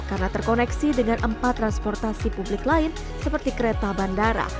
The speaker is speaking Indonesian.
karena terkoneksi dengan empat transportasi publik lain seperti kereta bandara